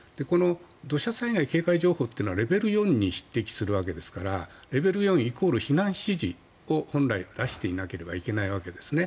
土砂災害警戒情報っていうのはレベル４に匹敵するわけですからレベル４イコール避難指示を本来出していなければいけないわけですね。